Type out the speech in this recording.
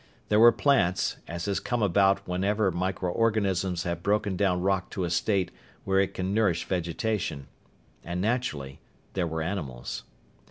There were plants, as has come about wherever microorganisms have broken down rock to a state where it can nourish vegetation. And naturally there were animals.